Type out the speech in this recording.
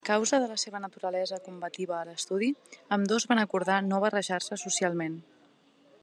A causa de la seva naturalesa combativa a l'estudi, ambdós van acordar no barrejar-se socialment.